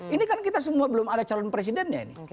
ini kan kita semua belum ada calon presidennya ini